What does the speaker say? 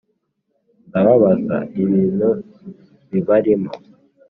«ndababaza ibintu bibarimo!»